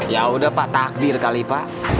ya udah pak takdir kali pak